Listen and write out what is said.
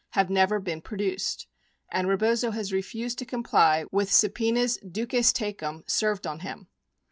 have never been pro duced and Rebozo has refused to comply with subpenas duces tecum served on him.